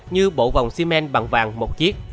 như bộ vòng xí men bằng vàng một chiếc